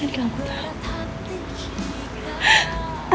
dan kamu tau